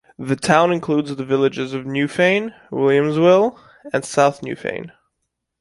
The town includes the villages of Newfane, Williamsville and South Newfane.